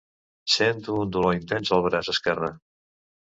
Sento un dolor intens al braç esquerre.